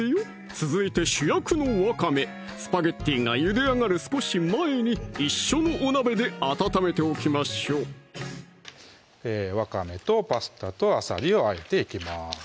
続いて主役のわかめスパゲッティがゆで上がる少し前に一緒のお鍋で温めておきましょうわかめとパスタとあさりをあえていきます